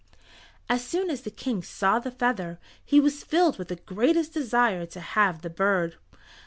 As soon as the King saw the feather he was filled with the greatest desire to have the bird.